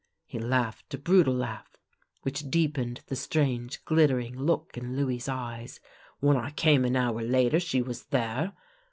He laughed a brutal laugh, which deepened the strange, glittering look in Louis' eyes. " When I came an hour later she was there.